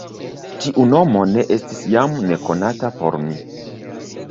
Tiu nomo ne estis jam nekonata por mi.